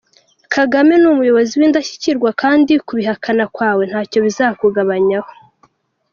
Kagame numuyobozi windashyikirwa kandi kubihakana kwawe ntacyo bizamugabanyaho.